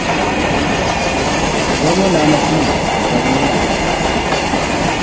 Waliwo n'amasimu agalimu laadiyo.